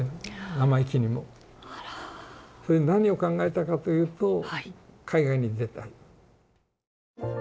それで何を考えたかというと海外に出たい。